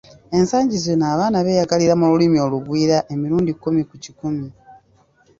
Esangi zino abaana beeyagalira mu lulimi olugwira emirundi kkumi ku kikumi.